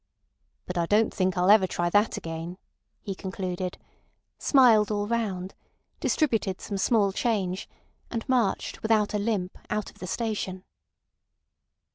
"But I don't think I'll ever try that again," he concluded; smiled all round; distributed some small change, and marched without a limp out of the station.